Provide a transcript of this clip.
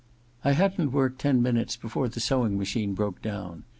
I hadn't worked ten minutes before the sewing machine broke down.